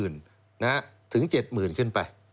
นะฮะถึง๗๐๐๐๐ขึ้นไป